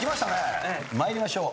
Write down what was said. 参りましょう。